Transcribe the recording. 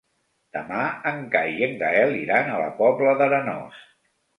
Demà en Cai i en Gaël iran a la Pobla d'Arenós.